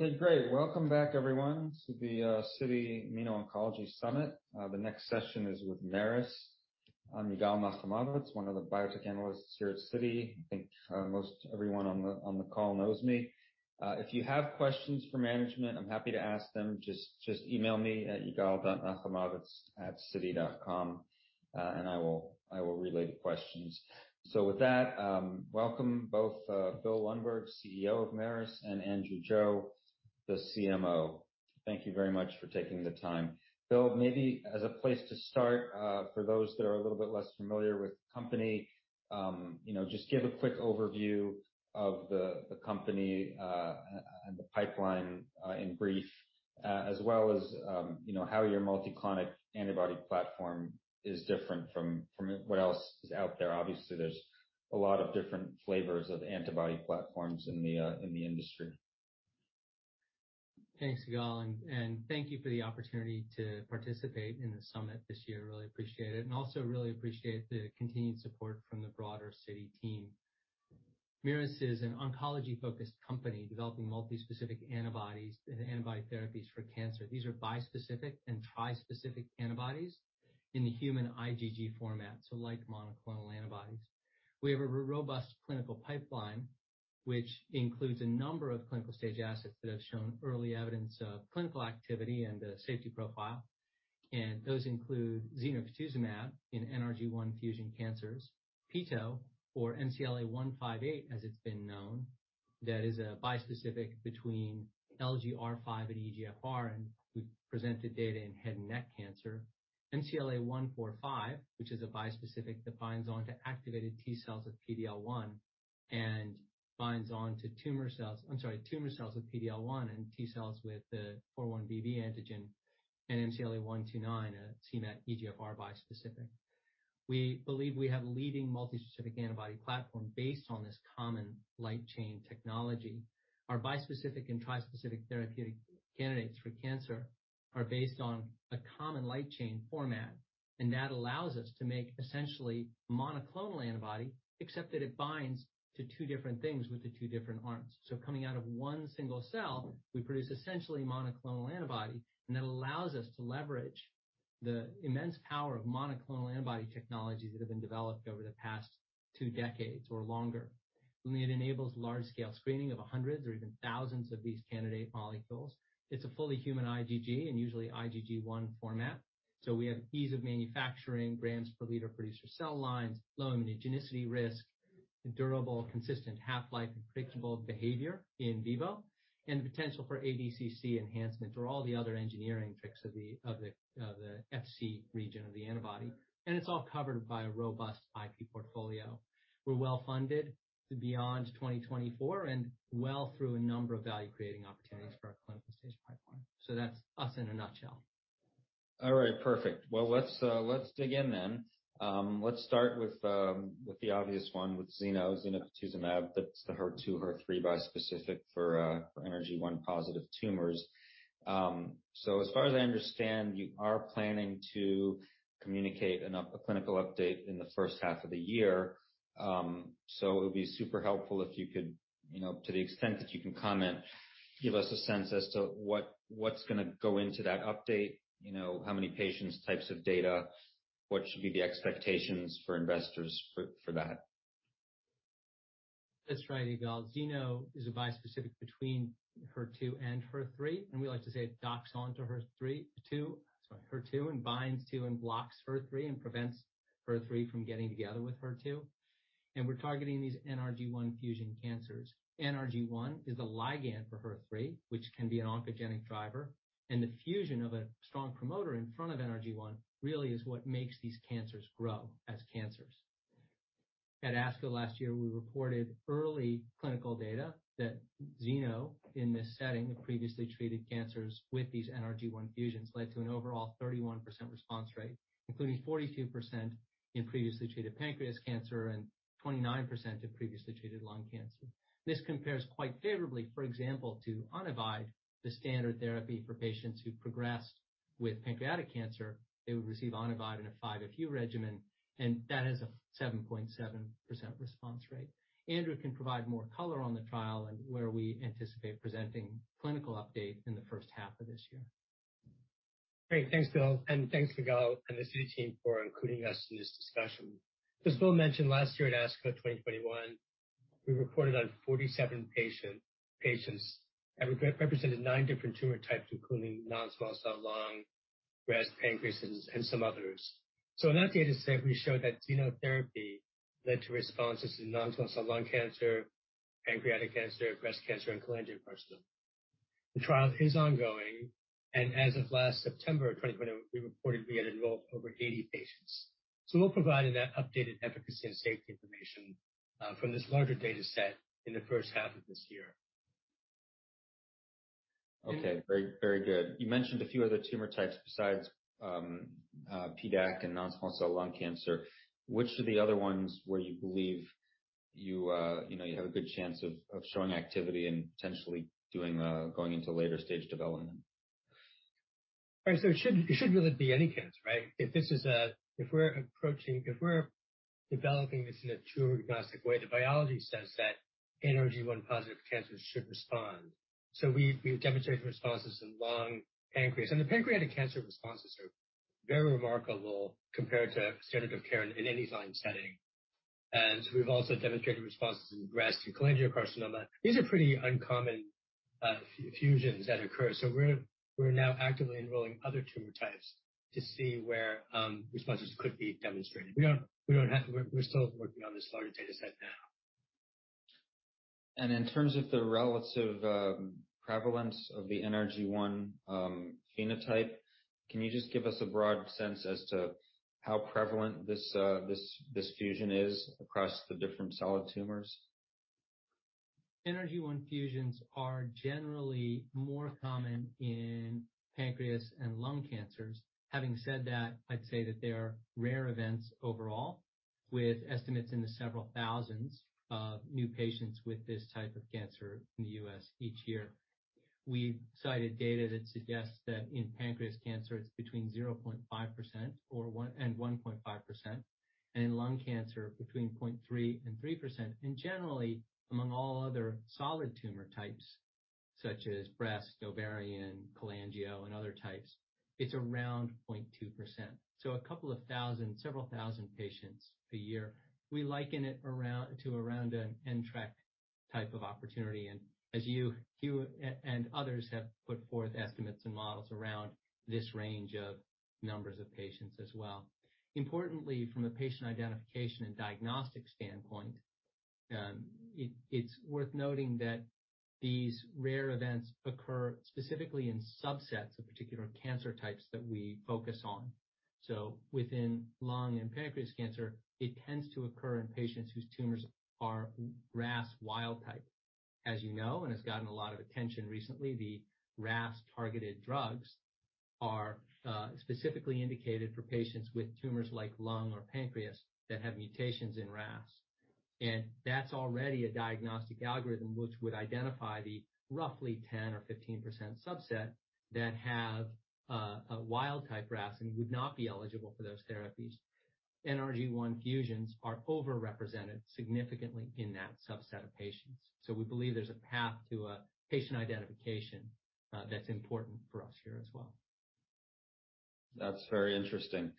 Okay, great. Welcome back everyone to the Citi Immuno-Oncology Summit. The next session is with Merus. I'm Yigal Nochomovitz, one of the biotech analysts here at Citi. I think most everyone on the call knows me. If you have questions for management, I'm happy to ask them. Just email me at yigal.nochomovitz@citi.com, and I will relay the questions. With that, welcome both Bill Lundberg, CEO of Merus, and Andrew Joe, the CMO. Thank you very much for taking the time. Bill, maybe as a place to start, for those that are a little bit less familiar with the company, you know, just give a quick overview of the company and the pipeline in brief, as well as, you know, how your Biclonics antibody platform is different from what else is out there. Obviously, there's a lot of different flavors of antibody platforms in the industry. Thanks, Yigal, and thank you for the opportunity to participate in the summit this year. Really appreciate it, and also really appreciate the continued support from the broader Citi team. Merus is an oncology-focused company developing multispecific antibodies and antibody therapies for cancer. These are bispecific and trispecific antibodies in the human IgG format, so like monoclonal antibodies. We have a robust clinical pipeline, which includes a number of clinical stage assets that have shown early evidence of clinical activity and a safety profile, and those include zenocutuzumab in NRG1 fusion cancers, petosemtamab, or MCLA-158, as it's been known, that is a bispecific between LGR5 and EGFR, and we presented data in head and neck cancer. MCLA-145, which is a bispecific that binds onto activated T cells with PD-L1 and binds onto tumor cells. I'm sorry, tumor cells with PD-L1 and T cells with the 4-1BB antigen, and MCLA-129, a c-MET EGFR bispecific. We believe we have leading multispecific antibody platform based on this common light chain technology. Our bispecific and trispecific therapeutic candidates for cancer are based on a common light chain format, and that allows us to make essentially monoclonal antibody, except that it binds to two different things with the two different arms. Coming out of one single cell, we produce essentially monoclonal antibody, and that allows us to leverage the immense power of monoclonal antibody technologies that have been developed over the past two decades or longer, and it enables large scale screening of hundreds or even thousands of these candidate molecules. It's a fully human IgG and usually IgG1 format. We have ease of manufacturing, grams per liter producer cell lines, low immunogenicity risk, durable, consistent half-life and predictable behavior in vivo, and the potential for ADCC enhancement or all the other engineering tricks of the Fc region of the antibody. It's all covered by a robust IP portfolio. We're well-funded to beyond 2024 and well through a number of value creating opportunities for our clinical stage pipeline. That's us in a nutshell. All right. Perfect. Well, let's dig in then. Let's start with the obvious one, with Zeno zenocutuzumab. That's the HER2-HER3 bispecific for NRG1-positive tumors. So as far as I understand, you are planning to communicate a clinical update in the first half of the year. So it would be super helpful if you could, you know, to the extent that you can comment, give us a sense as to what's gonna go into that update. You know, how many patients, types of data, what should be the expectations for investors for that? That's right, Yigal. Zeno is a bispecific between HER2 and HER3, and we like to say docks onto HER2 and binds to and blocks HER3 and prevents HER3 from getting together with HER2. We're targeting these NRG1 fusion cancers. NRG1 is the ligand for HER3, which can be an oncogenic driver, and the fusion of a strong promoter in front of NRG1 really is what makes these cancers grow as cancers. At ASCO last year, we reported early clinical data that Zeno, in this setting of previously treated cancers with these NRG1 fusions, led to an overall 31% response rate, including 42% in previously treated pancreatic cancer and 29% in previously treated lung cancer. This compares quite favorably, for example, to Onivyde, the standard therapy for patients who've progressed with pancreatic cancer. They would receive Onivyde in a 5-FU regimen, and that has a 7.7% response rate. Andrew can provide more color on the trial and where we anticipate presenting clinical update in the first half of this year. Great. Thanks, Bill, and thanks, Yigal and the Citi team for including us in this discussion. As Bill mentioned, last year at ASCO 2021, we reported on 47 patients that represented nine different tumor types, including non-small cell lung, breast, pancreas, and some others. In that data set, we showed that Zeno therapy led to responses in non-small cell lung cancer, pancreatic cancer, breast cancer, and cholangiocarcinoma. The trial is ongoing, and as of last September 2020, we reported we had enrolled over 80 patients. We'll provide that updated efficacy and safety information from this larger data set in the first half of this year. Okay. Very, very good. You mentioned a few other tumor types besides PDAC and non-small cell lung cancer. Which are the other ones where you believe you have a good chance of showing activity and potentially going into later stage development? All right. It should really be any cancer, right? If we're developing this in a tumor-agnostic way, the biology says that NRG1-positive cancers should respond. We've demonstrated responses in lung, pancreas, and the pancreatic cancer responses are very remarkable compared to standard of care in any disease setting. We've also demonstrated responses in breast and cholangiocarcinoma. These are pretty uncommon fusions that occur. We're now actively enrolling other tumor types to see where responses could be demonstrated. We're still working on this larger data set now. In terms of the relative prevalence of the NRG1 phenotype, can you just give us a broad sense as to how prevalent this fusion is across the different solid tumors? NRG1 fusions are generally more common in pancreas and lung cancers. Having said that, I'd say that they are rare events overall, with estimates in the several thousand new patients with this type of cancer in the U.S. each year. We've cited data that suggests that in pancreas cancer, it's between 0.5% or 1% and 1.5%, and in lung cancer, between 0.3% and 3%. Generally, among all other solid tumor types, such as breast, ovarian, cholangio, and other types, it's around 0.2%. A couple thousand, several thousand patients a year. We liken it around to around an NTRK type of opportunity. As you and others have put forth estimates and models around this range of numbers of patients as well. Importantly, from a patient identification and diagnostic standpoint, it's worth noting that these rare events occur specifically in subsets of particular cancer types that we focus on. Within lung and pancreas cancer, it tends to occur in patients whose tumors are RAS wild type. As you know, and it's gotten a lot of attention recently, the RAS-targeted drugs are specifically indicated for patients with tumors like lung or pancreas that have mutations in RAS. That's already a diagnostic algorithm which would identify the roughly 10 or 15% subset that have a wild type RAS and would not be eligible for those therapies. NRG1 fusions are overrepresented significantly in that subset of patients. We believe there's a path to a patient identification that's important for us here as well. That's very interesting.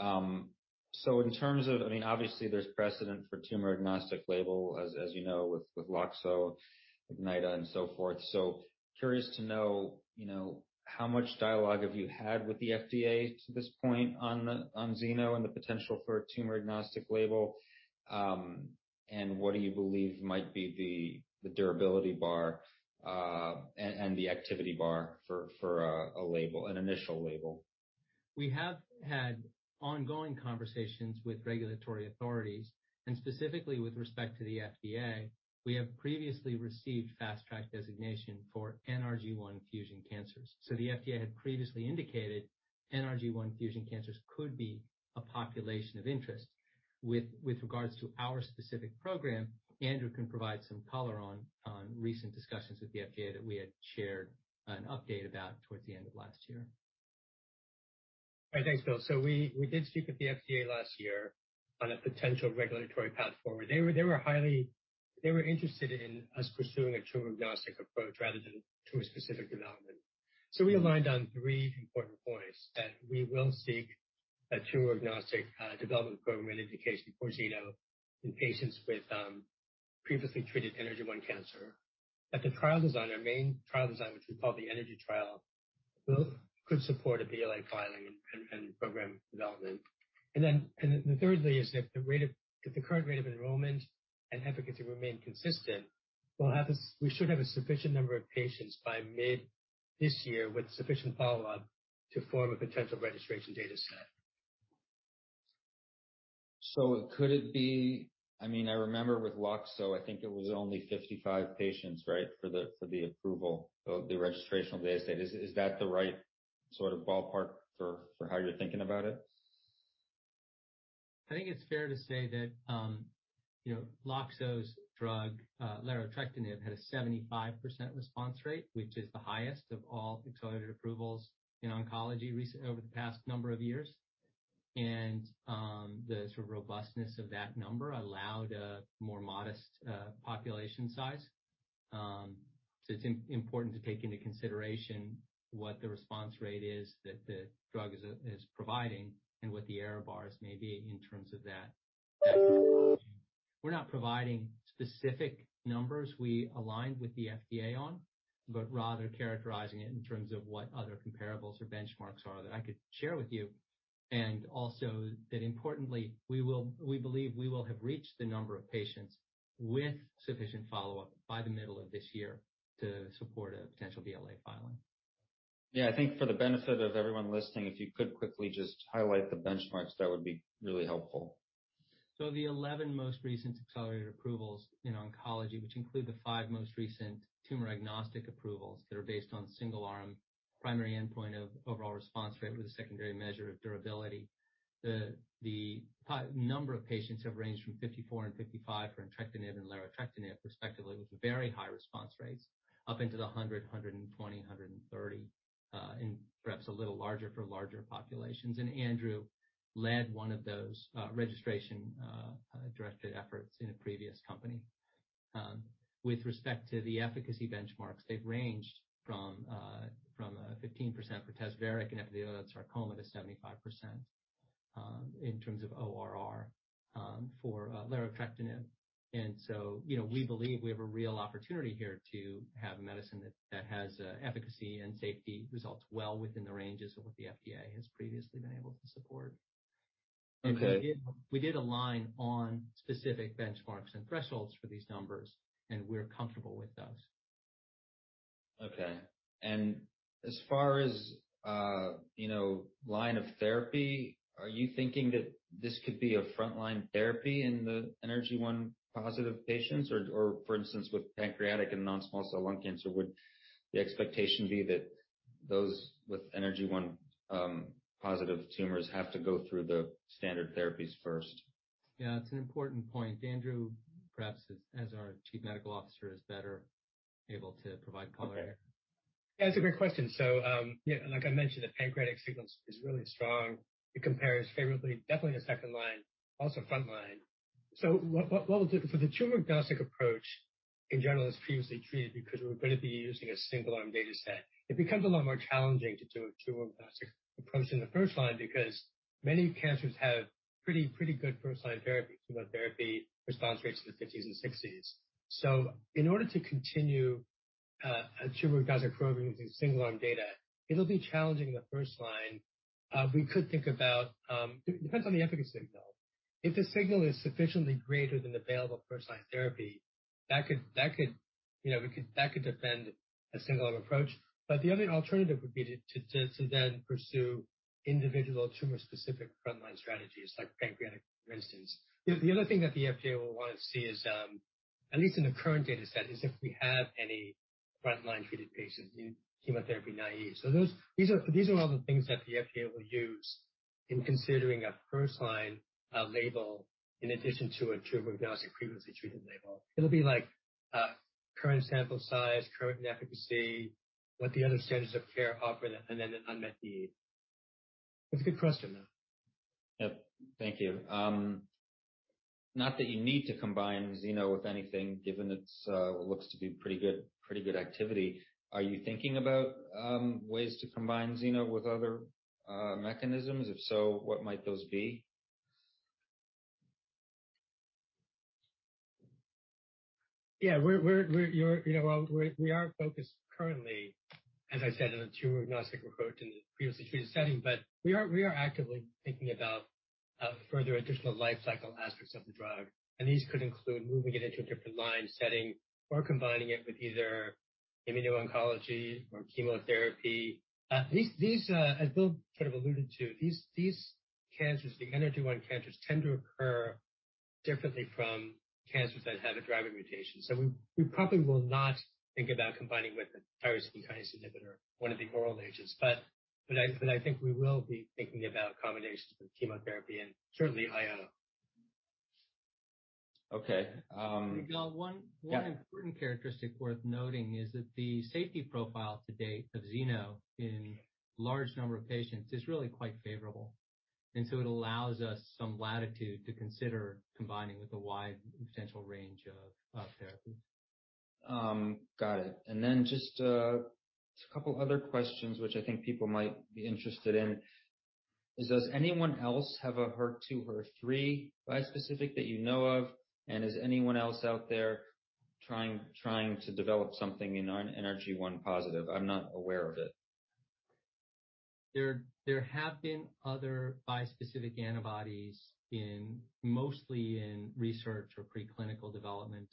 In terms of I mean, obviously, there's precedent for tumor-agnostic label, as you know, with Loxo, Ignyta, and so forth. Curious to know, you know, how much dialogue have you had with the FDA to this point on Zeno and the potential for a tumor-agnostic label? What do you believe might be the durability bar and the activity bar for a label, an initial label? We have had ongoing conversations with regulatory authorities, and specifically with respect to the FDA, we have previously received Fast Track designation for NRG1 fusion cancers. The FDA had previously indicated NRG1 fusion cancers could be a population of interest. With regards to our specific program, Andrew can provide some color on recent discussions with the FDA that we had shared an update about towards the end of last year. All right. Thanks, Bill. We did speak with the FDA last year on a potential regulatory path forward. They were highly interested in us pursuing a tumor-agnostic approach rather than tumor-specific development. We aligned on three important points that we will seek a tumor-agnostic development program and indication for Zeno in patients with previously treated NRG1 cancer. That the trial design, our main trial design, which we call the NRG trial, could support a BLA filing and program development. Thirdly, if the current rate of enrollment and efficacy remain consistent, we should have a sufficient number of patients by mid this year with sufficient follow-up to form a potential registration data set. Could it be? I mean, I remember with Loxo, I think it was only 55 patients, right, for the approval of the registrational data set. Is that the right sort of ballpark for how you're thinking about it? I think it's fair to say that, you know, Loxo's drug, larotrectinib, had a 75% response rate, which is the highest of all accelerated approvals in oncology over the past number of years. There is a robustness of that number allowed a more modest population size. It's important to take into consideration what the response rate is that the drug is providing and what the error bars may be in terms of that. We're not providing specific numbers we aligned with the FDA on, but rather characterizing it in terms of what other comparables or benchmarks are that I could share with you. Importantly, we believe we will have reached the number of patients with sufficient follow-up by the middle of this year to support a potential BLA filing. Yeah. I think for the benefit of everyone listening, if you could quickly just highlight the benchmarks, that would be really helpful. The 11 most recent accelerated approvals in oncology, which include the five most recent tumor-agnostic approvals that are based on single-arm primary endpoint of overall response rate with a secondary measure of durability. The number of patients have ranged from 54 and 55 for entrectinib and larotrectinib, respectively, with very high response rates up into the 100, 120, 130, and perhaps a little larger for larger populations. Andrew led one of those registration-directed efforts in a previous company. With respect to the efficacy benchmarks, they've ranged from 15% for Tazverik in epithelioid sarcoma to 75% in terms of ORR for larotrectinib. You know, we believe we have a real opportunity here to have medicine that has efficacy and safety results well within the ranges of what the FDA has previously been able to support. Okay. We did align on specific benchmarks and thresholds for these numbers, and we're comfortable with those. Okay. And as far as, you know, line of therapy, are you thinking that this could be a frontline therapy in the NRG1 positive patients? Or for instance, with pancreatic and non-small cell lung cancer, would the expectation be that those with NRG1 positive tumors have to go through the standard therapies first? Yeah, it's an important point. Andrew, perhaps as our Chief Medical Officer, is better able to provide color. Okay. Yeah, it's a great question. Like I mentioned, the pancreatic sequence is really strong. It compares favorably, definitely in a second line, also front line. What we'll do for the tumor-agnostic approach in general is previously treated because we're gonna be using a single-arm data set. It becomes a lot more challenging to do a tumor-agnostic approach in the first line because many cancers have pretty good first-line therapy, chemotherapy response rates in the 50s and 60s. In order to continue a tumor-agnostic program using single-arm data, it'll be challenging in the first line. It depends on the efficacy signal. If the signal is sufficiently greater than the available first-line therapy, that could, you know, that could defend a single-arm approach. The other alternative would be to then pursue individual tumor-specific frontline strategies like pancreatic, for instance. The other thing that the FDA will wanna see is at least in the current data set, is if we have any frontline treated patients in chemotherapy naive. These are all the things that the FDA will use in considering a first-line label in addition to a tumor-agnostic previously treated label. It'll be like current sample size, current efficacy, what the other standards of care offer, and then an unmet need. That's a good question, though. Yep. Thank you. Not that you need to combine Zeno with anything, given it's what looks to be pretty good activity. Are you thinking about ways to combine Zeno with other mechanisms? If so, what might those be? Yeah. We're, you know, well, we are focused currently, as I said, on a tumor-agnostic approach in the previously treated setting. We are actively thinking about further additional lifecycle aspects of the drug, and these could include moving it into a different line setting or combining it with either immuno-oncology or chemotherapy. As Bill kind of alluded to, these cancers, the NRG1 cancers, tend to occur differently from cancers that have a driver mutation. We probably will not think about combining with a tyrosine kinase inhibitor, one of the oral agents. I think we will be thinking about combinations with chemotherapy and certainly IO. Okay. Bill, one- Yeah. One important characteristic worth noting is that the safety profile to date of Zeno in a large number of patients is really quite favorable. It allows us some latitude to consider combining with a wide potential range of therapies. Got it. Just a couple other questions which I think people might be interested in is, does anyone else have a HER2/HER3 bispecific that you know of? Is anyone else out there trying to develop something in NRG1 positive? I'm not aware of it. There have been other bispecific antibodies, mostly in research or preclinical development,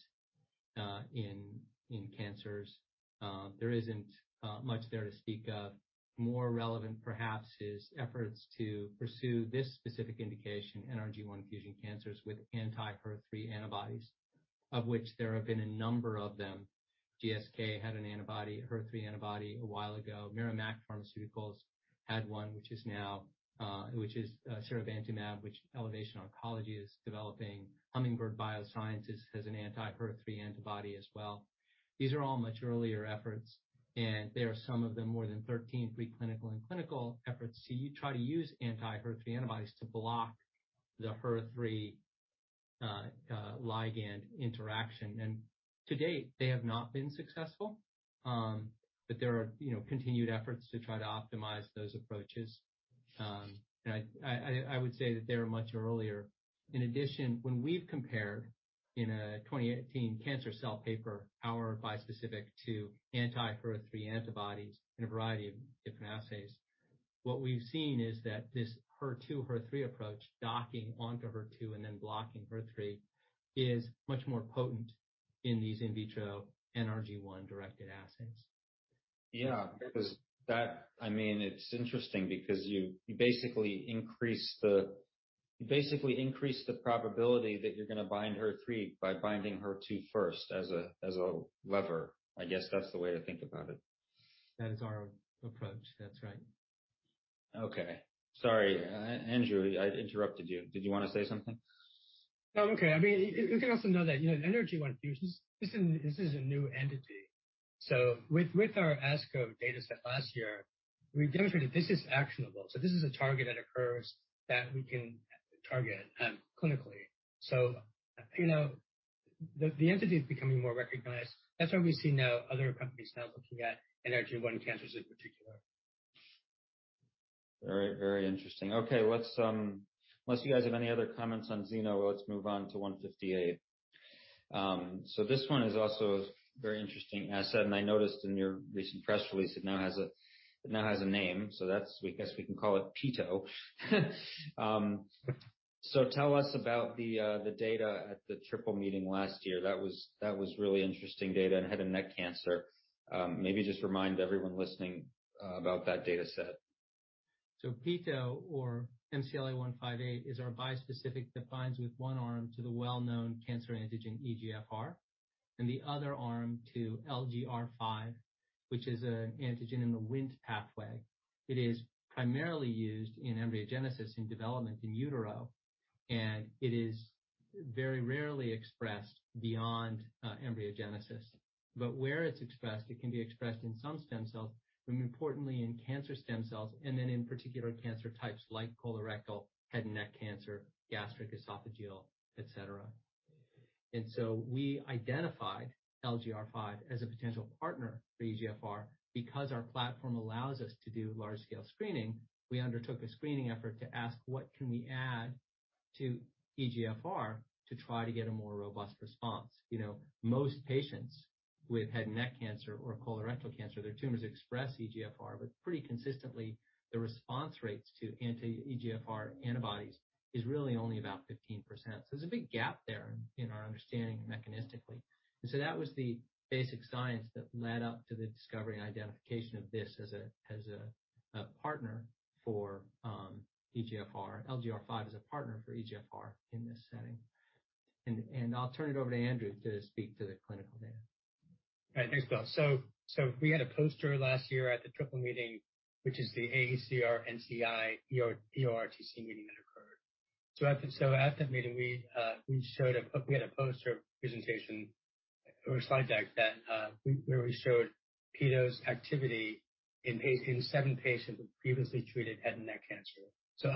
in cancers. There isn't much there to speak of more relevant perhaps is efforts to pursue this specific indication, NRG1 fusion cancers with anti-HER3 antibodies, of which there have been a number of them. GSK had an antibody, HER3 antibody a while ago. Merrimack Pharmaceuticals had one, which is now seribantumab, which Elevation Oncology is developing. Hummingbird Bioscience has an anti-HER3 antibody as well. These are all much earlier efforts, and there are some of them, more than thirteen preclinical and clinical efforts to try to use anti-HER3 antibodies to block the HER3 ligand interaction. To date, they have not been successful. There are, you know, continued efforts to try to optimize those approaches. I would say that they were much earlier. In addition, when we've compared in a 2018 Cancer Cell paper, our bispecific to anti-HER3 antibodies in a variety of different assays, what we've seen is that this HER2/HER3 approach, docking onto HER2 and then blocking HER3, is much more potent in these in vitro NRG1-directed assays. I mean, it's interesting because you basically increase the probability that you're gonna bind HER3 by binding HER2 first as a lever. I guess that's the way to think about it. That is our approach. That's right. Okay. Sorry, Andrew, I interrupted you. Did you wanna say something? No. Okay. I mean, you can also know that, you know, NRG1 fusion, this is a new entity. With our ASCO data set last year, we demonstrated this is actionable. This is a target that occurs that we can target clinically. You know, the entity is becoming more recognized. That's why we see now other companies now looking at NRG1 cancers in particular. Very, very interesting. Okay, let's, unless you guys have any other comments on Zeno, let's move on to 158. So this one is also very interesting, as said, and I noticed in your recent press release it now has a name, so that's we guess we can call it Petos. So tell us about the data at the AACR-NCI-EORTC last year. That was really interesting data in head and neck cancer. Maybe just remind everyone listening about that data set. Peto or MCLA-158 is our bispecific that binds with one arm to the well-known cancer antigen EGFR and the other arm to LGR5, which is an antigen in the WNT pathway. It is primarily used in embryogenesis in development in utero, and it is very rarely expressed beyond embryogenesis. But where it's expressed, it can be expressed in some stem cells and importantly in cancer stem cells and then in particular cancer types like colorectal, head and neck cancer, gastric, esophageal, etc. We identified LGR5 as a potential partner for EGFR. Because our platform allows us to do large scale screening, we undertook a screening effort to ask what can we add to EGFR to try to get a more robust response. You know, most patients with head and neck cancer or colorectal cancer, their tumors express EGFR, but pretty consistently, the response rates to anti-EGFR antibodies is really only about 15%. There's a big gap there in our understanding mechanistically. That was the basic science that led up to the discovery and identification of this as a partner for EGFR. LGR5 is a partner for EGFR in this setting. I'll turn it over to Andrew to speak to the clinical data. All right. Thanks, Bill. We had a poster last year at the triple meeting, which is the AACR-NCI-EORTC meeting that occurred. At that meeting, we had a poster presentation or a slide deck where we showed Petos activity in seven patients with previously treated head and neck cancer.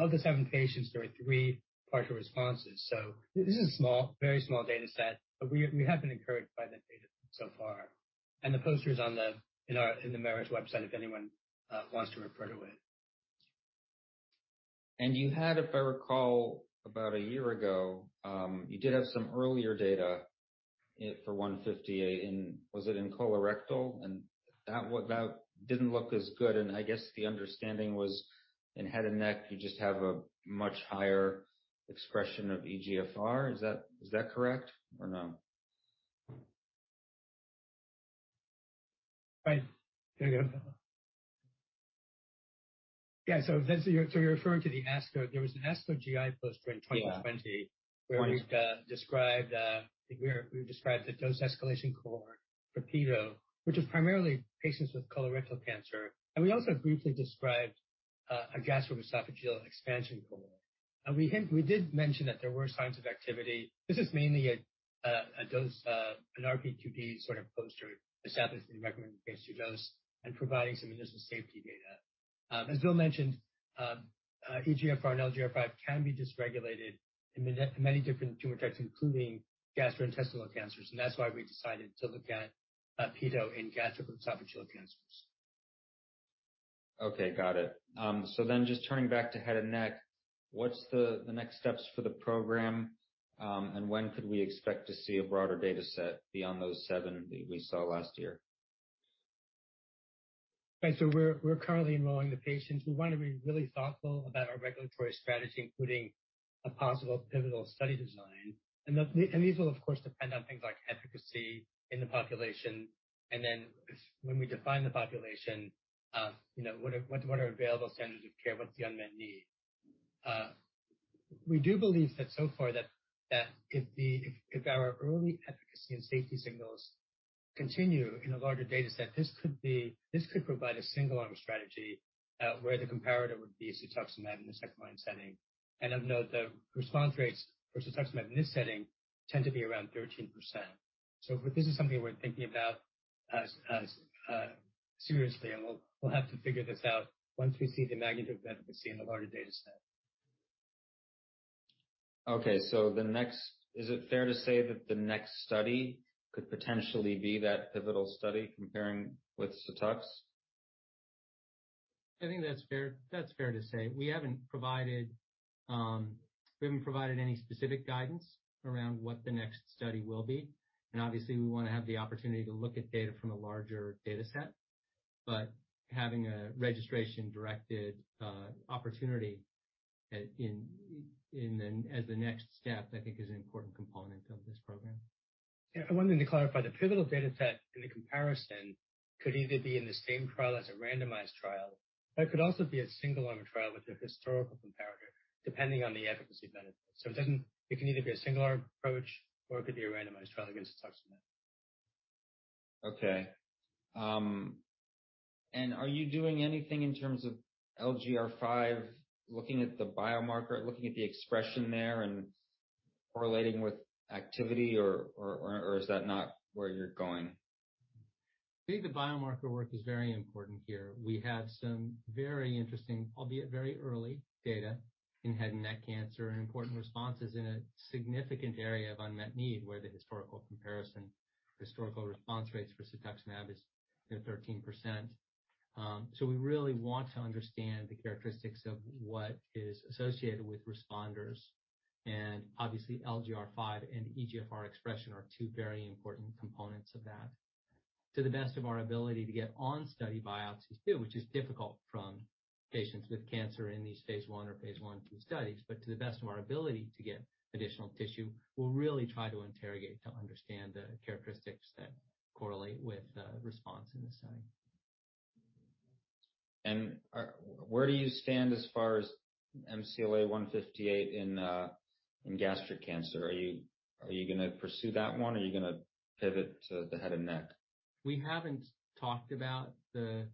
Of the seven patients, there were three partial responses. This is a small, very small data set, but we have been encouraged by that data so far. The poster's on the Merus website if anyone wants to refer to it. You had, if I recall, about a year ago, you did have some earlier data for 158 in, was it in colorectal? That didn't look as good. I guess the understanding was in head and neck, you just have a much higher expression of EGFR. Is that correct or no? Right. There you go. Yeah. You're referring to the ASCO. There was an ASCO GI poster in 2020- Yeah. where we described the dose escalation cohort for Peto, which is primarily patients with colorectal cancer. We also briefly described a gastroesophageal expansion cohort. We did mention that there were signs of activity. This is mainly a dose, an RP2D sort of poster establishing the recommended phase II dose and providing some initial safety data. As Bill mentioned, EGFR and LGR5 can be dysregulated in many different tumor types, including gastrointestinal cancers, and that's why we decided to look at Peto in gastroesophageal cancers. Okay. Got it. Just turning back to head and neck, what's the next steps for the program, and when could we expect to see a broader data set beyond those seven that we saw last year? Right. We're currently enrolling the patients. We wanna be really thoughtful about our regulatory strategy, including a possible pivotal study design. These will, of course, depend on things like efficacy in the population. Then when we define the population, you know, what are available standards of care? What's the unmet need? We do believe that so far, that if our early efficacy and safety signals continue in a larger data set, this could provide a single arm strategy, where the comparator would be cetuximab in the second-line setting. Of note, the response rates for cetuximab in this setting tend to be around 13%. This is something we're thinking about as seriously, and we'll have to figure this out once we see the magnitude of efficacy in the larger data set. Okay. Is it fair to say that the next study could potentially be that pivotal study comparing with cetuximab? I think that's fair. That's fair to say. We haven't provided any specific guidance around what the next study will be, and obviously, we wanna have the opportunity to look at data from a larger data set. Having a registration-directed opportunity as the next step, I think is an important component of this program. Yeah. I wanted to clarify. The pivotal data set in the comparison could either be in the same trial as a randomized trial, or it could also be a single arm trial with a historical comparison. Depending on the efficacy benefits. It can either be a singular approach or it could be a randomized trial against cetuximab. Okay. Are you doing anything in terms of LGR5, looking at the biomarker, looking at the expression there and correlating with activity, or is that not where you're going? I think the biomarker work is very important here. We have some very interesting, albeit very early data in head and neck cancer and important responses in a significant area of unmet need, where the historical comparison, historical response rates for cetuximab is 13%. So we really want to understand the characteristics of what is associated with responders. Obviously, LGR5 and EGFR expression are two very important components of that. To the best of our ability to get on study biopsies too, which is difficult from patients with cancer in these phase I or phase I/II studies, but to the best of our ability to get additional tissue, we'll really try to interrogate to understand the characteristics that correlate with response in the study. Where do you stand as far as MCLA-158 in gastric cancer? Are you gonna pursue that one or are you gonna pivot to the head and neck? We haven't talked about the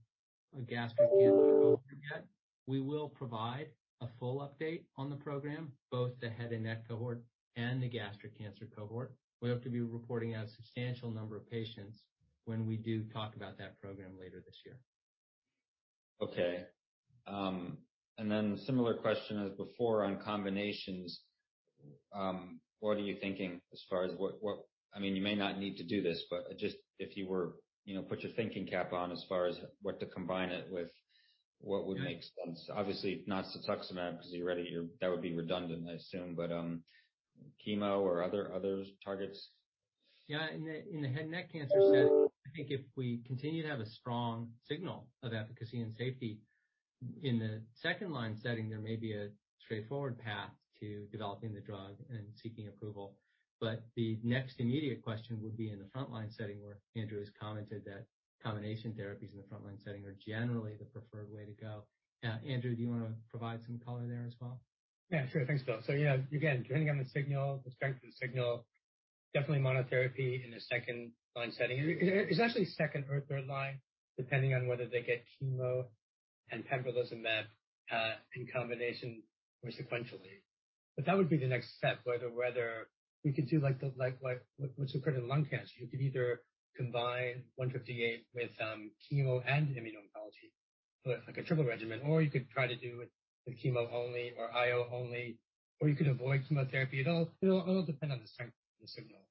gastric cancer cohort yet. We will provide a full update on the program, both the head and neck cohort and the gastric cancer cohort. We hope to be reporting a substantial number of patients when we do talk about that program later this year. Okay. Similar question as before on combinations. What are you thinking as far as what, I mean, you may not need to do this, but just if you were, you know, put your thinking cap on as far as what to combine it with, what would make sense? Obviously, not cetuximab because you already, that would be redundant, I assume. Chemo or other targets. Yeah. In the head and neck cancer setting, I think if we continue to have a strong signal of efficacy and safety in the second-line setting, there may be a straightforward path to developing the drug and seeking approval. The next immediate question would be in the front-line setting, where Andrew has commented that combination therapies in the front-line setting are generally the preferred way to go. Andrew, do you wanna provide some color there as well? Yeah, sure. Thanks, Bill. Yeah, again, depending on the signal, the strength of the signal, definitely monotherapy in a second-line setting. It's actually second or third line, depending on whether they get chemo and pembrolizumab in combination or sequentially. That would be the next step, whether we could do like what's occurred in lung cancer. You could either combine 158 with chemo and immuno-oncology with like a triple regimen, or you could try to do it with chemo only or IO only, or you could avoid chemotherapy. It'll depend on the strength of the signal.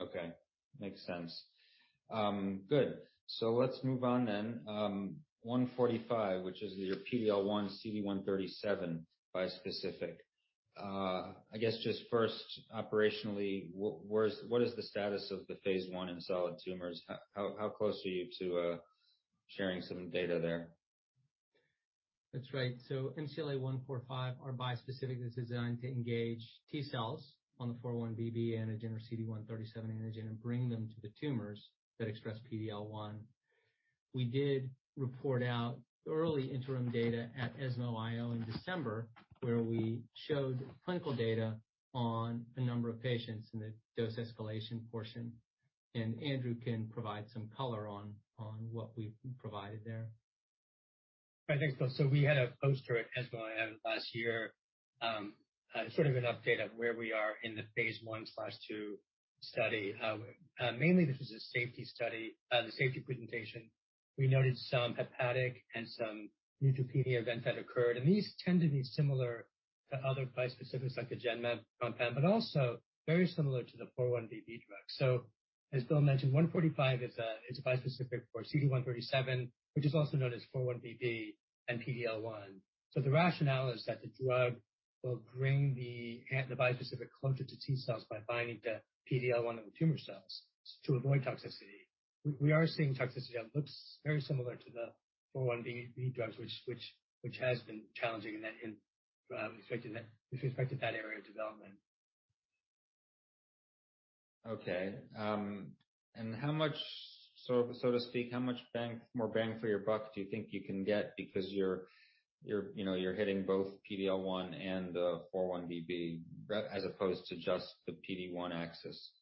Okay. Makes sense. Good. Let's move on then. MCLA-145, which is your PD-L1 CD137 bispecific. I guess just first, operationally, what is the status of the phase I in solid tumors? How close are you to sharing some data there? That's right. MCLA-145, our bispecific that's designed to engage T cells on the 4-1BB antigen or CD137 antigen and bring them to the tumors that express PD-L1. We did report out early interim data at ESMO IO in December, where we showed clinical data on a number of patients in the dose escalation portion, and Andrew can provide some color on what we provided there. Thanks, Bill. We had a poster at ESMO last year, sort of an update of where we are in the phase I/II study. Mainly this is a safety study. The safety presentation, we noted some hepatic and some neutropenia events that occurred, and these tend to be similar to other bispecifics like the Genmab compound, but also very similar to the 4-1BB drug. As Bill mentioned, 145 is a bispecific for CD137, which is also known as 4-1BB and PD-L1. The rationale is that the drug will bring the bispecific closer to T-cells by binding the PD-L1 on the tumor cells to avoid toxicity. We are seeing toxicity that looks very similar to the 4-1BB drugs, which has been challenging in that with respect to that area of development. Okay. How much, so to speak, how much more bang for your buck do you think you can get because you're, you know, you're hitting both PD-L1 and the 4-1BB as opposed to just the PD-1 axis?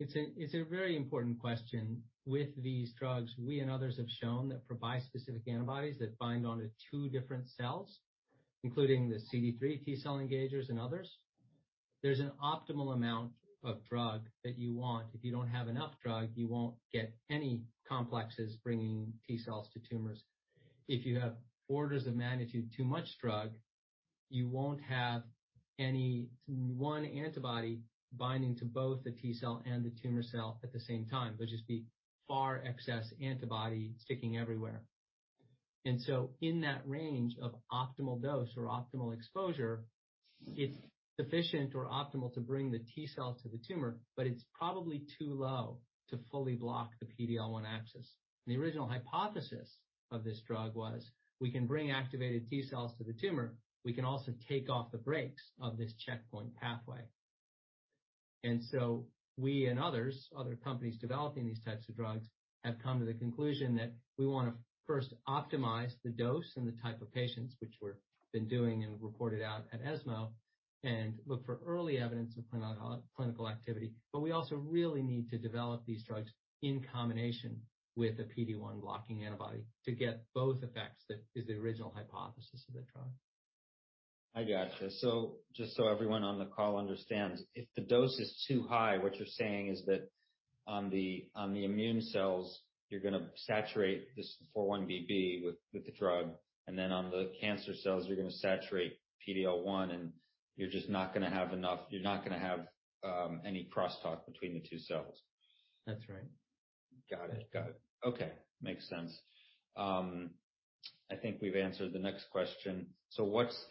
It's a very important question. With these drugs, we and others have shown that for bispecific antibodies that bind onto two different cells, including the CD3 T-cell engagers and others, there's an optimal amount of drug that you want. If you don't have enough drug, you won't get any complexes bringing T-cells to tumors. If you have orders of magnitude too much drug, you won't have any one antibody binding to both the T-cell and the tumor cell at the same time. There'll just be far excess antibody sticking everywhere. In that range of optimal dose or optimal exposure, it's sufficient or optimal to bring the T-cell to the tumor, but it's probably too low to fully block the PD-L1 axis. The original hypothesis of this drug was we can bring activated T-cells to the tumor. We can also take off the brakes of this checkpoint pathway. We and others, other companies developing these types of drugs, have come to the conclusion that we wanna first optimize the dose and the type of patients, which we've been doing and reported out at ESMO, and look for early evidence of clinical activity. We also really need to develop these drugs in combination with a PD-1 blocking antibody to get both effects. That is the original hypothesis of the drug. I got you. Just so everyone on the call understands, if the dose is too high, what you're saying is that on the immune cells, you're gonna saturate this 4-1BB with the drug, and then on the cancer cells, you're gonna saturate PD-L1, and you're just not gonna have any crosstalk between the two cells. That's right. Got it. Okay. Makes sense. I think we've answered the next question. What's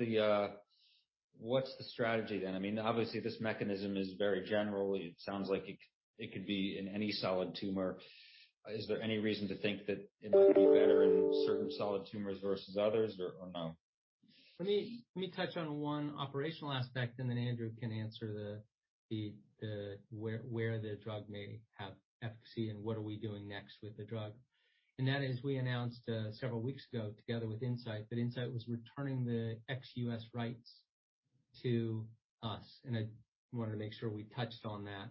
the strategy then? I mean, obviously this mechanism is very general. It sounds like it could be in any solid tumor. Is there any reason to think that it could be better in certain solid tumors versus others or no? Let me touch on one operational aspect, and then Andrew can answer the where the drug may have efficacy and what are we doing next with the drug. That is, we announced several weeks ago together with Incyte that Incyte was returning the ex-US rights to us, and I wanted to make sure we touched on that.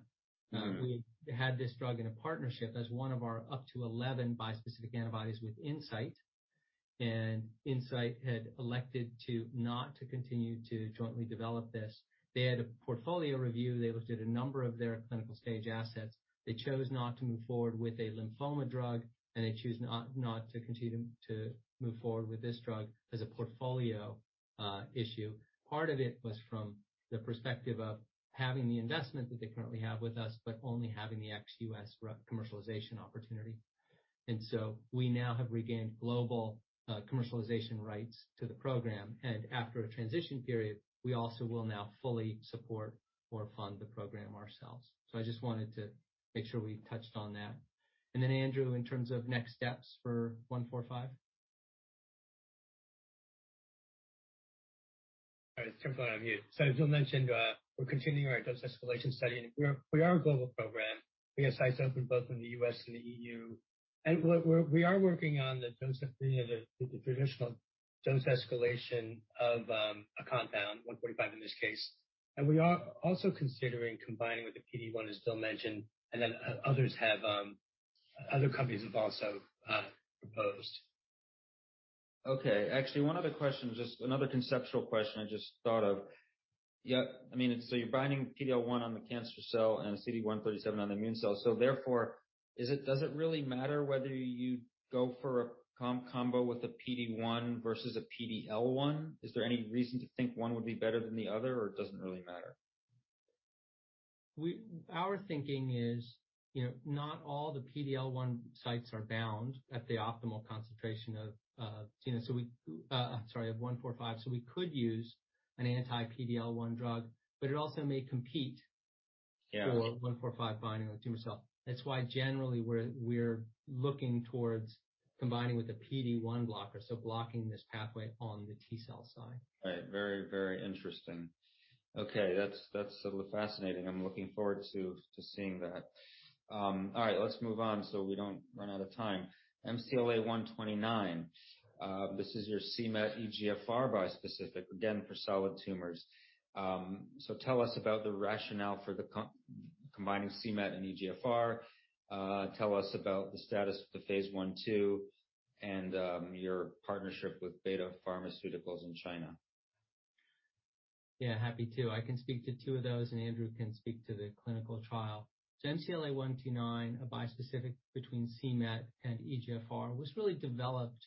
Mm-hmm. We had this drug in a partnership as one of our up to 11 bispecific antibodies with Incyte, and Incyte had elected not to continue to jointly develop this. They had a portfolio review. They looked at a number of their clinical stage assets. They chose not to move forward with a lymphoma drug, and they chose not to continue to move forward with this drug as a portfolio issue. Part of it was from the perspective of having the investment that they currently have with us but only having the ex-US rights commercialization opportunity. We now have regained global commercialization rights to the program. After a transition period, we also will now fully support or fund the program ourselves. I just wanted to make sure we touched on that and then Andrew in terms of next steps for MCLA-145. All right. Let's jump on here. As you mentioned, we're continuing our dose escalation study, and we are a global program. We have sites open both in the U.S. and the EU. What we're working on is the traditional dose escalation of a compound, MCLA-145 in this case. We are also considering combining with the PD-1, as Bill mentioned, and then other companies have also proposed. Okay. Actually, one other question, just another conceptual question I just thought of. Yeah, I mean, so you're binding PD-L1 on the cancer cell and CD137 on the immune cell. Does it really matter whether you go for a combo with a PD-1 versus a PD-L1? Is there any reason to think one would be better than the other, or it doesn't really matter? Our thinking is, you know, not all the PD-L1 sites are bound at the optimal concentration of, you know, so we, sorry, of 145, so we could use an anti-PD-L1 drug, but it also may compete. Yeah. MCLA-145 binding on tumor cell. That's why generally we're looking towards combining with a PD-1 blocker, so blocking this pathway on the T-cell side. Right. Very interesting. Okay. That's sort of fascinating. I'm looking forward to seeing that. All right, let's move on so we don't run out of time. MCLA-129, this is your c-MET EGFR bispecific, again, for solid tumors. Tell us about the rationale for combining c-MET and EGFR. Tell us about the status of the phase I/II, and your partnership with Betta Pharmaceuticals in China. Yeah, happy to. I can speak to two of those, and Andrew Joe can speak to the clinical trial. MCLA-129, a bispecific between c-MET and EGFR, was really developed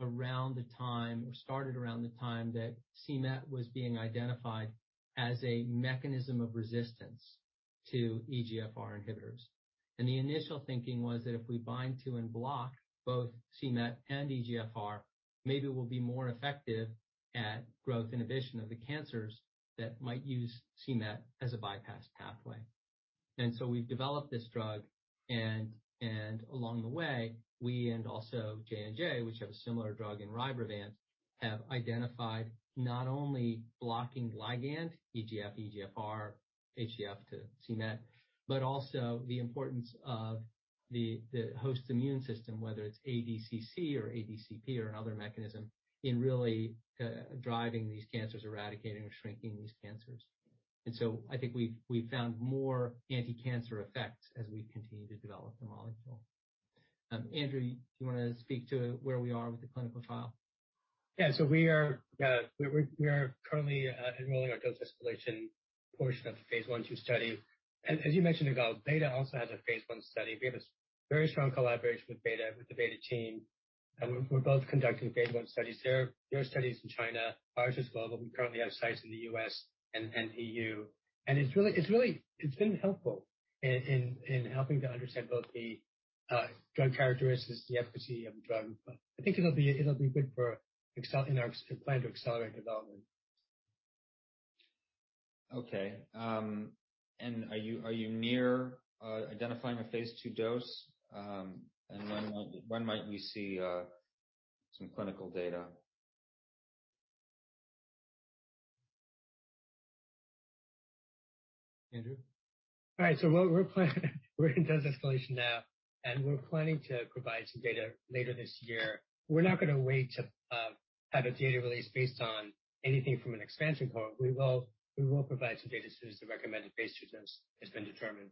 around the time or started around the time that c-MET was being identified as a mechanism of resistance to EGFR inhibitors. The initial thinking was that if we bind to and block both c-MET and EGFR, maybe we'll be more effective at growth inhibition of the cancers that might use c-MET as a bypass pathway. We've developed this drug and along the way, we and also J&J, which have a similar drug in Rybrevant, have identified not only blocking ligand, EGF, EGFR, HGF to c-MET but also the importance of the host immune system, whether it's ADCC or ADCP or another mechanism, in really driving these cancers, eradicating or shrinking these cancers. I think we've found more anticancer effects as we continue to develop the molecule. Andrew, do you wanna speak to where we are with the clinical trial? We are currently enrolling our dose escalation portion of the phase I/II study. As you mentioned, Yigal, Betta also has a phase I study. We have a very strong collaboration with Betta, with the Betta team, and we're both conducting phase I studies. Their study is in China. Ours is global. We currently have sites in the U.S. and EU. It's been helpful in helping to understand both the drug characteristics, the efficacy of the drug. I think it'll be good in our plan to accelerate development. Okay. Are you near identifying a phase II dose? When might we see some clinical data? Andrew? All right. What we're planning, we're in dose escalation now, and we're planning to provide some data later this year. We're not gonna wait to have a data release based on anything from an expansion cohort. We will provide some data as soon as the recommended phase II dose has been determined.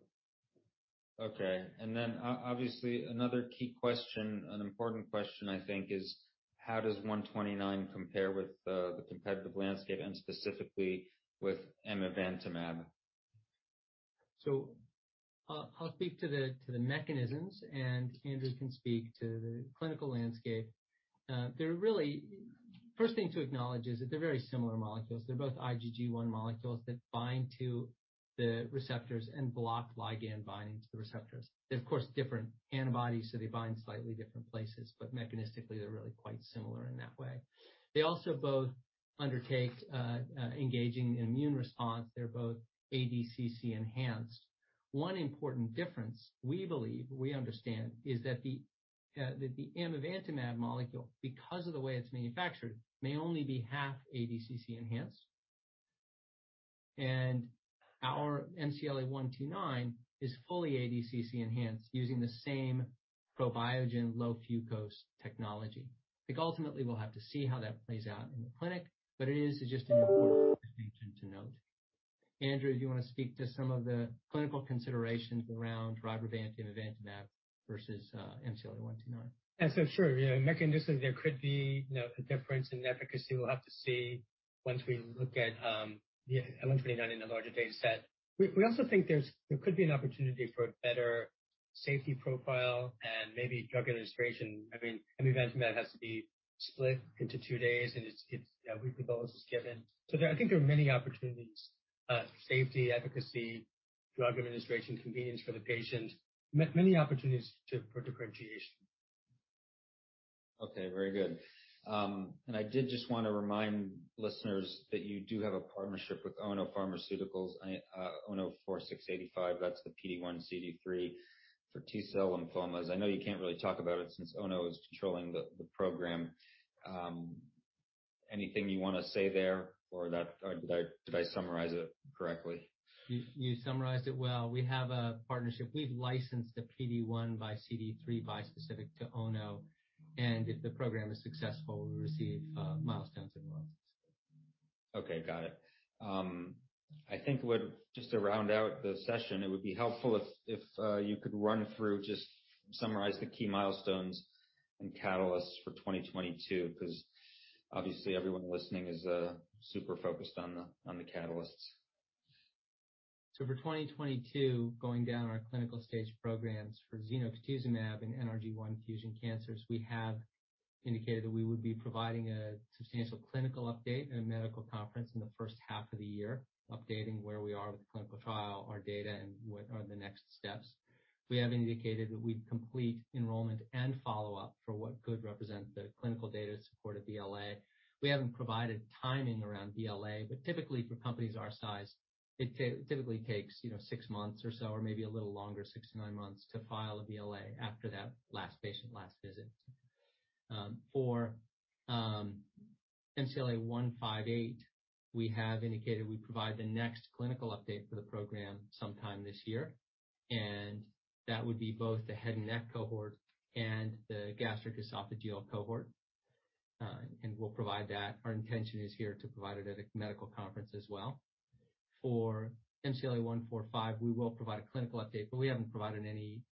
Okay. Obviously, another key question, an important question I think, is how does MCLA-129 compare with the competitive landscape and specifically with amivantamab? I'll speak to the mechanisms, and Andrew can speak to the clinical landscape. First thing to acknowledge is that they're very similar molecules. They're both IgG1 molecules that bind to the receptors and block ligand binding to the receptors. They're, of course, different antibodies, so they bind slightly different places, but mechanistically they're really quite similar in that way. They also both undertake engaging an immune response. They're both ADCC enhanced. One important difference, we believe, we understand, is that the amivantamab molecule, because of the way it's manufactured, may only be half ADCC enhanced. Our MCLA-129 is fully ADCC enhanced using the same ProBioGen low glucose technology. I think ultimately we'll have to see how that plays out in the clinic, but it is just an important distinction to note. Andrew, do you wanna speak to some of the clinical considerations around amivantamab versus MCLA-129? Yes, sure. You know, mechanistically, there could be a difference in efficacy. We'll have to see once we look at the MCLA-129 in a larger data set. We also think there could be an opportunity for a better safety profile and maybe drug administration. I mean, amivantamab has to be split into two days, and it's weekly doses given. I think there are many opportunities, safety, efficacy, drug administration, convenience for the patient. Many opportunities for differentiation. Okay, very good. I did just wanna remind listeners that you do have a partnership with ONO Pharmaceutical ONO-4685, that's the PD-1 CD3 for T-cell lymphomas. I know you can't really talk about it since ONO is controlling the program. Anything you wanna say there or did I summarize it correctly? You summarized it well. We have a partnership. We've licensed the PD-1/CD3 bispecific to ONO and if the program is successful, we receive milestones and royalties. Okay, got it. I think just to round out the session, it would be helpful if you could run through, just summarize the key milestones and catalysts for 2022, 'cause obviously everyone listening is super focused on the catalysts. For 2022, going down our clinical-stage programs for zenocutuzumab in NRG1 fusion cancers, we have indicated that we would be providing a substantial clinical update in a medical conference in the first half of the year, updating where we are with the clinical trial, our data, and what are the next steps. We have indicated that we'd complete enrollment and follow-up for what could represent the clinical data to support a BLA. We haven't provided timing around BLA, but typically for companies our size, typically takes, you know, 6 months or so or maybe a little longer, 6-9 months, to file a BLA after that last patient, last visit. For MCLA-158, we have indicated we'd provide the next clinical update for the program sometime this year, and that would be both the head and neck cohort and the gastroesophageal cohort. We'll provide that. Our intention is here to provide it at a medical conference as well. For MCLA-145, we will provide a clinical update, but we haven't provided any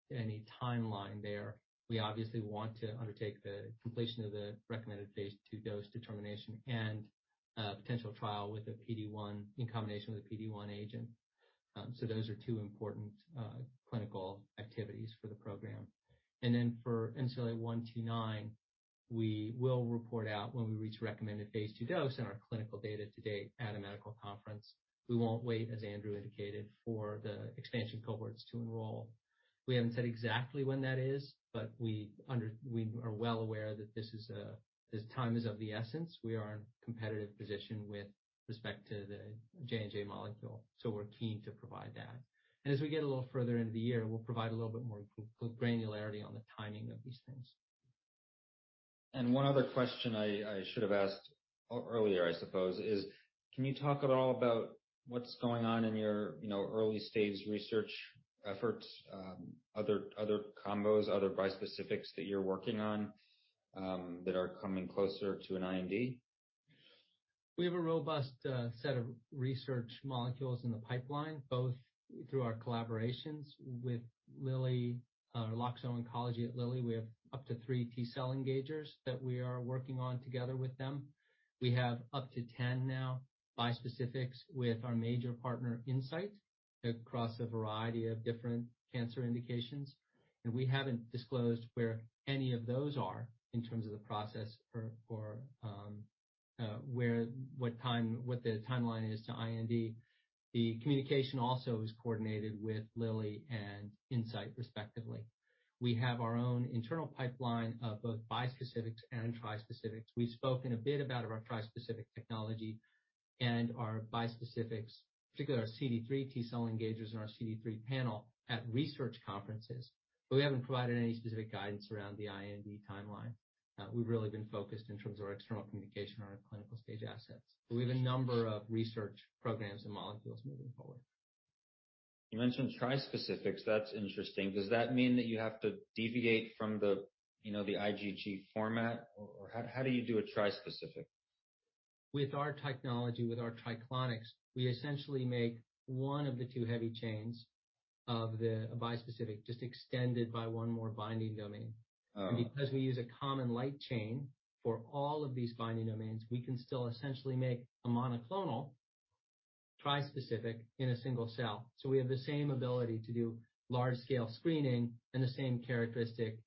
timeline there. We obviously want to undertake the completion of the recommended phase II dose determination and a potential trial with a PD-1 in combination with a PD-1 agent. Those are two important clinical activities for the program. For MCLA-129, we will report out when we reach recommended phase II dose in our clinical data to date at a medical conference. We won't wait, as Andrew indicated, for the expansion cohorts to enroll. We haven't said exactly when that is, but we are well aware that this is a, this time is of the essence. We are in competitive position with respect to the J&J molecule, so we're keen to provide that. As we get a little further into the year, we'll provide a little bit more granularity on the timing of these things. One other question I should have asked earlier, I suppose, is can you talk at all about what's going on in your, you know, early stages research efforts, other combos, other bispecifics that you're working on, that are coming closer to an IND? We have a robust set of research molecules in the pipeline, both through our collaborations with Lilly, Loxo Oncology at Lilly. We have up to three T-cell engagers that we are working on together with them. We have up to 10 now bispecifics with our major partner, Incyte, across a variety of different cancer indications. We haven't disclosed where any of those are in terms of the process for where, what the timeline is to IND. The communication also is coordinated with Lilly and Incyte, respectively. We have our own internal pipeline of both bispecifics and trispecifics. We've spoken a bit about our trispecific technology. Our bispecifics, particularly our CD3 T-cell engagers and our CD3 panel at research conferences, but we haven't provided any specific guidance around the IND timeline. We've really been focused in terms of our external communication around our clinical stage assets. We have a number of research programs and molecules moving forward. You mentioned trispecifics. That's interesting. Does that mean that you have to deviate from the, you know, the IgG format? Or how do you do a trispecific? With our technology, with our Triclonics, we essentially make one of the two heavy chains of the bispecific, just extended by one more binding domain. Oh. Because we use a common light chain for all of these binding domains, we can still essentially make a monoclonal trispecific in a single cell. We have the same ability to do large scale screening and the same characteristic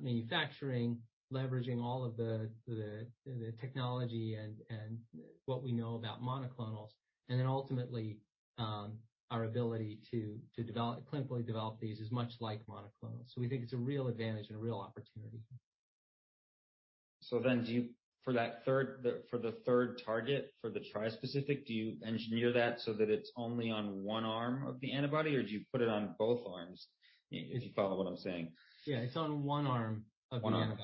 manufacturing, leveraging all of the technology and what we know about monoclonals. Then ultimately, our ability to clinically develop these is much like monoclonals. We think it's a real advantage and a real opportunity. For the third target, for the trispecific, do you engineer that so that it's only on one arm of the antibody, or do you put it on both arms? If you follow what I'm saying. Yeah, it's on one arm of the antibody. One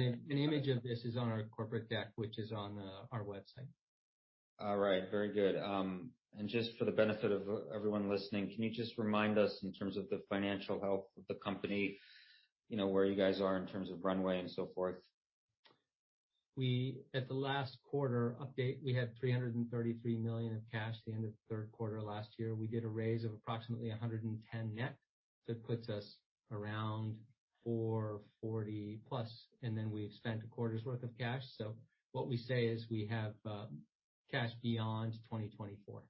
arm. Okay. An image of this is on our corporate deck, which is on our website. All right. Very good. Just for the benefit of everyone listening, can you just remind us in terms of the financial health of the company, you know, where you guys are in terms of runway and so forth? At the last quarter update, we had $333 million of cash at the end of the third quarter last year. We did a raise of approximately $110 net. That puts us around $440 plus, and then we've spent a quarter's worth of cash. What we say is we have cash beyond 2024,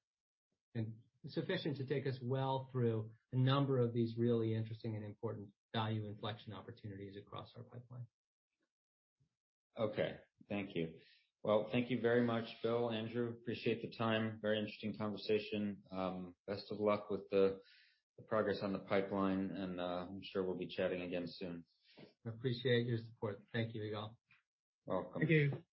and sufficient to take us well through a number of these really interesting and important value inflection opportunities across our pipeline. Okay. Thank you. Well, thank you very much, Bill, Andrew. Appreciate the time. Very interesting conversation. Best of luck with the progress on the pipeline and I'm sure we'll be chatting again soon. Appreciate your support. Thank you, Yigal. Welcome. Thank you. Thanks.